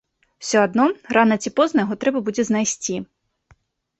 Усё адно рана ці позна яго трэба будзе знайсці.